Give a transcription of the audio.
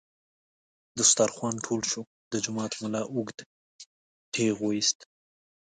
دسترخوان ټول شو، د جومات ملا اوږد ټېغ ویست.